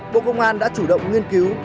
bộ công an đã chủ động nghiên cứu